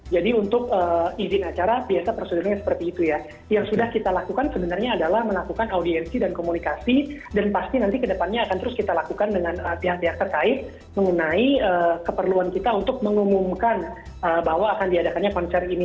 jadi untuk izin acara biasa prosedurnya seperti itu ya yang sudah kita lakukan sebenarnya adalah melakukan audiensi dan komunikasi dan pasti nanti ke depannya akan terus kita lakukan dengan pihak pihak terkait mengenai keperluan kita untuk mengumumkan bahwa akan diadakannya konser ini